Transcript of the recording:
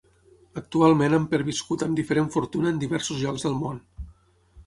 Actualment han perviscut amb diferent fortuna en diversos llocs del món.